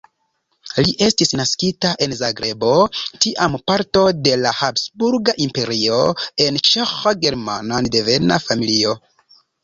Li estis naskita en Zagrebo, tiam parto de la Habsburga Imperio, en Ĉeĥ-German-devena familio.